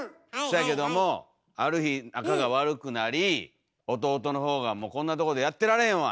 そやけどもある日仲が悪くなり弟の方が「もうこんなとこでやってられへんわ！」